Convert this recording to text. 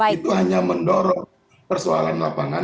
itu hanya mendorong persoalan lapangan